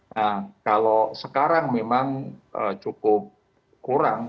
nah kalau sekarang memang cukup kurang